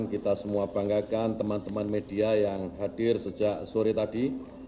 kita semua banggakan teman teman media yang hadir sejak sore tadi